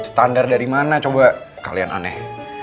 standar dari mana coba kalian aneh